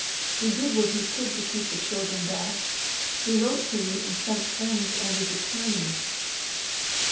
He did what he could to keep the children back. He wrote to me and sent friends and his attorneys."